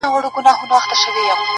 چي فارغ به یې کړ مړی له کفنه-